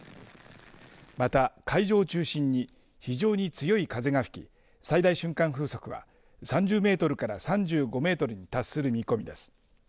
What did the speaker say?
また、海上を中心に非常に強い風が吹き最大瞬間風速は３０メートルから３５メートルに達する見込みです。